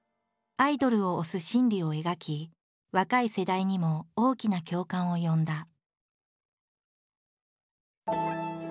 アイドルを推す心理を描き若い世代にも大きな共感を呼んだ。